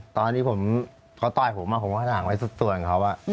ตอนนี้เขาต้อยผมผมก็หันไปสุดส่วนเขา